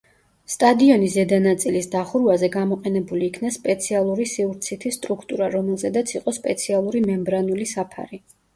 სტადიონის ზედა ნაწილის დახურვაზე, გამოყენებული იქნა სპეციალური სივრცითი სტრუქტურა, რომელზედაც იყო სპეციალური მემბრანული საფარი.